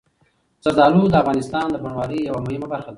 زردالو د افغانستان د بڼوالۍ یوه مهمه برخه ده.